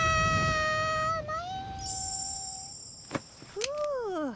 ふう。